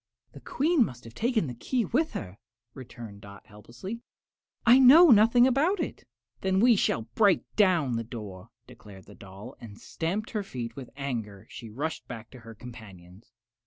"The Queen must have taken the key with her," returned Dot, helplessly; "I know nothing about it." "Then we shall break down the door," declared the doll, and stamping her feet with anger she rushed back to her companions.